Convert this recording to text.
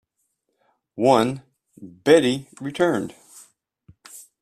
One "Betty" returned.